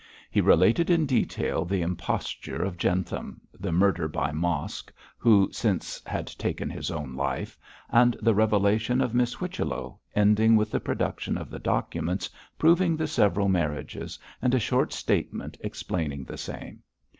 He related in detail the imposture of Jentham, the murder by Mosk, who since had taken his own life, and the revelation of Miss Whichello, ending with the production of the documents proving the several marriages, and a short statement explaining the same.